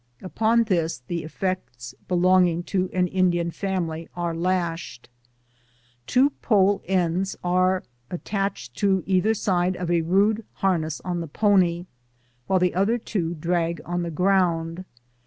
Upon this the effects belonging to an Indian family are lashed. Two pole ends are attached to either side of a rude harness on the pony, while the other two drag on the ground.